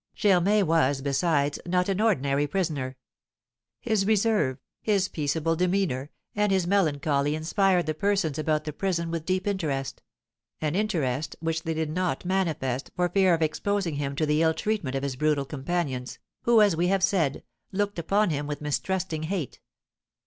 Germain was, besides, not an ordinary prisoner; his reserve, his peaceable demeanour, and his melancholy inspired the persons about the prison with deep interest, an interest which they did not manifest, for fear of exposing him to the ill treatment of his brutal companions, who, as we have said, looked upon him with mistrusting hate.